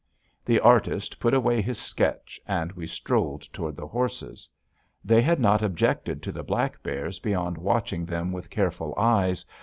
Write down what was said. The artist put away his sketch, and we strolled toward the horses. They had not objected to the black bears, beyond watching them with careful eyes.